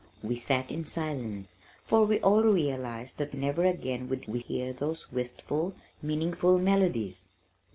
We sat in silence, for we all realized that never again would we hear those wistful, meaningful melodies.